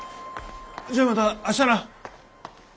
じゃあまた明日な。